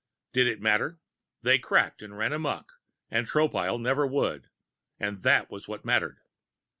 Did it matter? They cracked and ran amok, and Tropile never would, and that was what mattered.